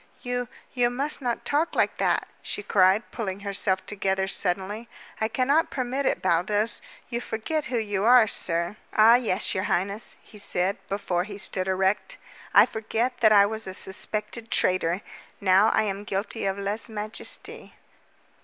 "You you must not talk like that," she cried, pulling herself together suddenly. "I cannot permit it, Baldos. You forget who you are, sir." "Ah, yes, your highness," he said, before he stood erect. "I forget that I was a suspected traitor. Now I am guilty of _lese majeste."